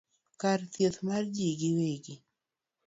kar thieth mar jii giwegi